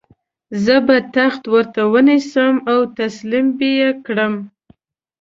زه به تخت ورته ونیسم او تسلیم به یې کړم.